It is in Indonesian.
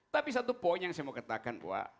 tapi satu poin yang saya mau katakan